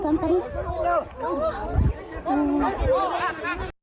ถ้าปลาเร็วกว่านี้นะยี